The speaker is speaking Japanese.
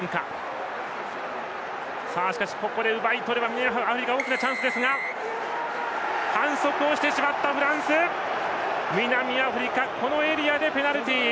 ここで奪い取れば南アフリカ大きなチャンスですが反則をしてしまったフランス南アフリカこのエリアでペナルティー。